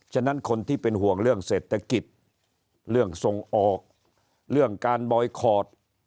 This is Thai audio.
ฉะนั้นคนที่เป็นห่วงเรื่องเศรษฐกิจเรื่องส่งออกเรื่องการบอยคอร์ด